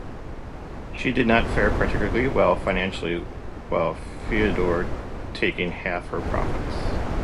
She did not fare particularly well financially, with Philidor taking half of her profits.